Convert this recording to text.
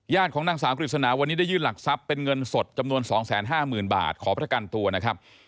ของนางสาวกฤษณาวันนี้ได้ยื่นหลักทรัพย์เป็นเงินสดจำนวน๒๕๐๐๐บาทขอประกันตัวนะครับ